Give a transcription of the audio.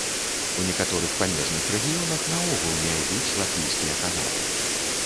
У некаторых памежных рэгіёнах наогул не ідуць латвійскія каналы.